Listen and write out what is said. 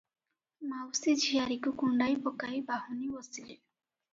ମାଉସୀ ଝିଆରୀକୁ କୁଣ୍ଢାଇ ପକାଇ ବାହୁନି ବସିଲେ ।